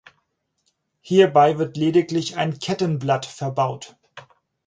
Hierbei wird lediglich ein Kettenblatt verbaut.